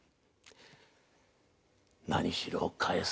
何しろ返す